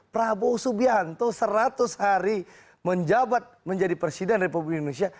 prabowo subianto seratus hari menjabat menjadi presiden republik indonesia